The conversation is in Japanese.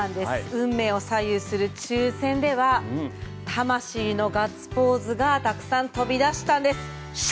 運命を左右する抽選では魂のガッツポーズがたくさん飛び出したんです。